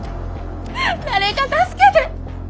誰か助けて！